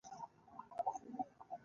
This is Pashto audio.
_هيلۍ يې ولې وهلې؟